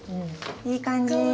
いい感じ。